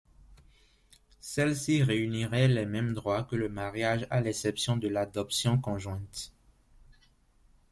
Celles-ci réuniraient les mêmes droits que le mariage à l'exception de l'adoption conjointe.